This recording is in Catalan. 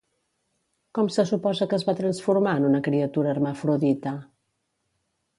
Com se suposa que es va transformar en una criatura hermafrodita?